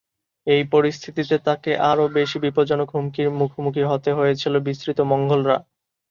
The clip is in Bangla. এই পরিস্থিতিতে তাকে আরও বেশি বিপজ্জনক হুমকির মুখোমুখি হতে হয়েছিল, বিস্তৃত মঙ্গোলরা।